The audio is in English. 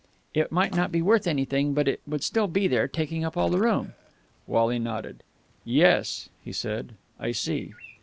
It might not be worth anything, but it would still be there, taking up all the room." Wally nodded. "Yes," he said. "I see."